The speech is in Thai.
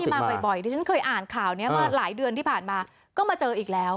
มาบ่อยที่ฉันเคยอ่านข่าวนี้มาหลายเดือนที่ผ่านมาก็มาเจออีกแล้ว